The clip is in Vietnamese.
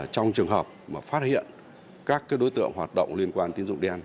trong trường hợp phát hiện các đối tượng hoạt động liên quan đến tiến dụng đen